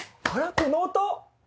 この音。